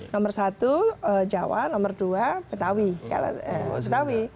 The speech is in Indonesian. nomor satu jawa nomor dua betawi